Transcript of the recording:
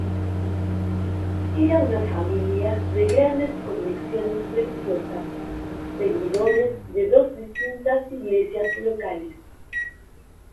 Era una familia de grandes convicciones religiosas, seguidores de dos distintas iglesias locales.